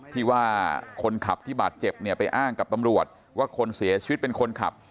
ที่ว่าคนขับที่บาดเจ็บเนี่ยไปอ้างกับตำรวจว่าคนเสียชีวิตเป็นคนขับ